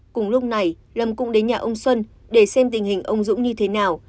cùng lúc này lâm cũng đến nhà ông xuân để xem tình hình ông dũng như thế nào